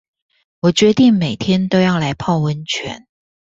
我決定每天都要來泡溫泉